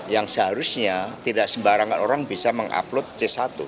yang seharusnya tidak sembarangan orang bisa mengupload c satu